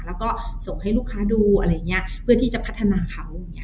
แล้วก็ส่งให้ลูกค้าดูอะไรอย่างนี้เพื่อที่จะพัฒนาเขาอย่างเงี้